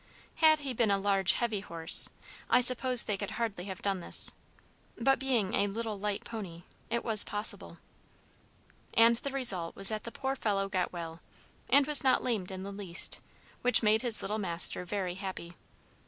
Had he been a large, heavy horse, I suppose they could hardly have done this; but being a little light pony, it was possible. And the result was that the poor fellow got well, and was not lamed in the least, which made his little master very happy.